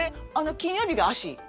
金曜日が脚。